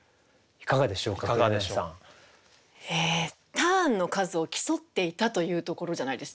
ターンの数を競っていたというところじゃないですか？